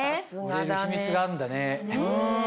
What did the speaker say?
売れる秘密があるんだね。